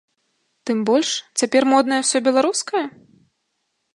Тым больш, цяпер моднае ўсё беларускае?